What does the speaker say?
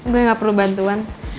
gue gak perlu bantuan